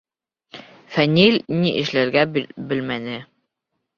Фәнил ни эшләргә белмәне.